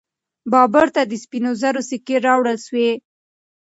بابر ته د سپینو زرو سکې راوړل سوې.